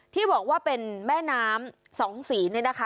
ที่บอกว่าเป็นแม่น้ำสองสีเนี่ยนะคะ